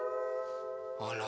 あら。